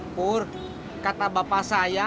pur kata bapak saya